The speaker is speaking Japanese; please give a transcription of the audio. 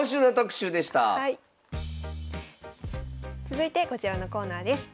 続いてこちらのコーナーです。